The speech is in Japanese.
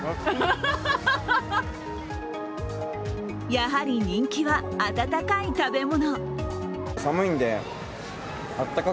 やはり人気は温かい食べ物。